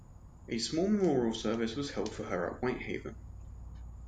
A small memorial service was held for her at Whitehaven.